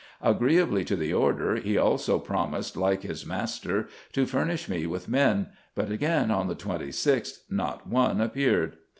Agreeably to the order, he also promised, like his master, to furnish me with men ; but again, on the 26th, not one appeared.